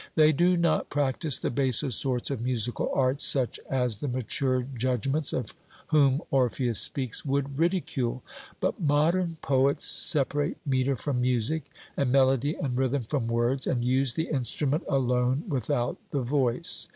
They do not practise the baser sorts of musical arts, such as the 'matured judgments,' of whom Orpheus speaks, would ridicule. But modern poets separate metre from music, and melody and rhythm from words, and use the instrument alone without the voice.